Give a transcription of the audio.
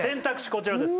こちらです